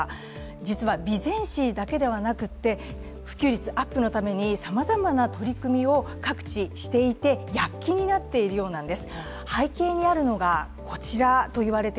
実は備前市だけではなくて、普及率アップのためにさまざまな取り組みを各地していて躍起になっているようなんです。